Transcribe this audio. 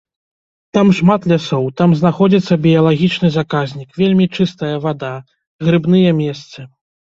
Там шмат лясоў, там знаходзіцца біялагічны заказнік, вельмі чыстая вада, грыбныя месцы.